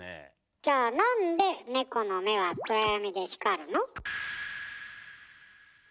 じゃあなんでネコの目は暗闇で光るの？